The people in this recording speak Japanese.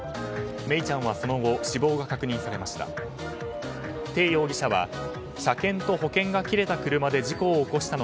愛李ちゃんはその後死亡が確認されました。